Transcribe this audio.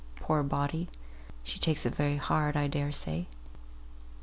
Poor body; she takes it very hard, I dare say!"